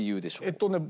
えっとね